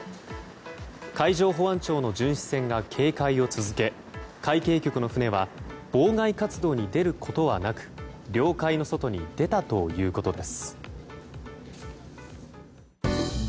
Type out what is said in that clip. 海上保安庁の巡視船が警戒を続け海警局の船は妨害活動に出ることはなく領海の外に出たということです。